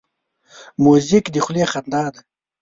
موزیک د خولې خندا ده.